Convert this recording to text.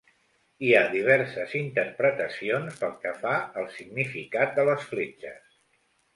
Hi ha diverses interpretacions pel que fa al significat de les fletxes.